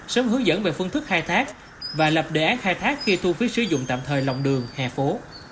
sớm hướng dẫn về phương thức khai thác và lập đề án khai thác khi thu phí sử dụng tạm thời lòng đường hè phố